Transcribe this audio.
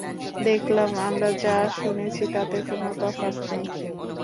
দেখলাম, আমরা যা শুনেছি তাতে কোন তফাৎ নেই।